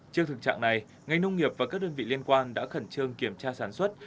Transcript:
trước thực trạng này ngành nông nghiệp và các đơn vị liên quan đã khẩn trương kiểm tra sản xuất